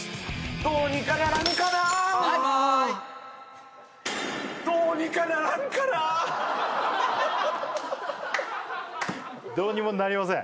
どうにかならんかなバイバーイどうにかならんかなどうにもなりません